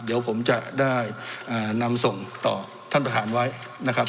เดี๋ยวผมจะได้นำส่งต่อท่านประธานไว้นะครับ